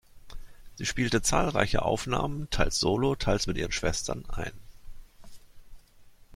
Sie spielte zahlreiche Aufnahmen, teils solo, teils mit ihren Schwestern ein.